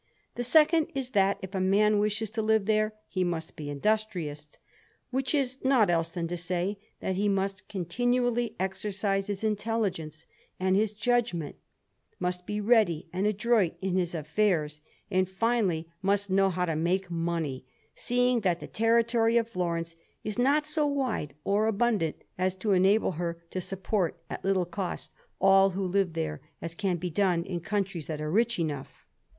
The second is that, if a man wishes to live there, he must be industrious, which is naught else than to say that he must continually exercise his intelligence and his judgment, must be ready and adroit in his affairs, and, finally, must know how to make money, seeing that the territory of Florence is not so wide or abundant as to enable her to support at little cost all who live there, as can be done in countries that are rich enough.